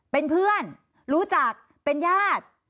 เป็นเพื่อนรู้จักเป็นญาติ